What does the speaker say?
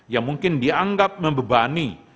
yang mungkin dianggap membebani